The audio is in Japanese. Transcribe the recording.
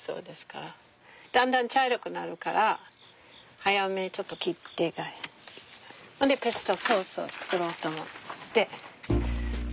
だんだん茶色くなるから早めにちょっと切ってそんでペストソースを作ろうと思って。